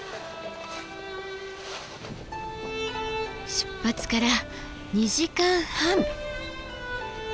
出発から２時間半。